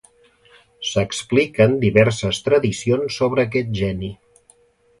S'expliquen diverses tradicions sobre aquest geni.